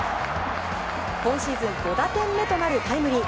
今シーズン５打点目となるタイムリー。